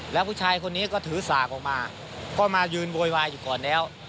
แล้วผู้ชายคนนี้ก็ถือสากออกมาก็มายืนโวยวายอยู่ก่อนแล้ว